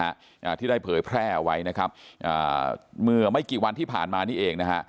อ่าที่ได้เผยแพร่เอาไว้นะครับอ่าเมื่อไม่กี่วันที่ผ่านมานี่เองนะฮะ